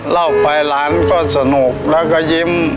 เล่าไปหลานก็สนุกแล้วก็ยิ้ม